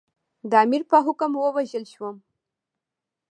د امیر په حکم ووژل شوم.